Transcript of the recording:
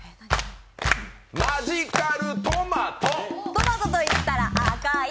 トマトと言ったら赤い。